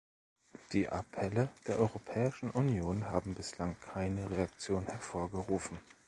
Die Appelle der Europäischen Union haben bislang keine Reaktion hervorgerufen.